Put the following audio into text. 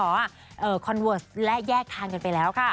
คอนเวิร์สและแยกทางกันไปแล้วค่ะ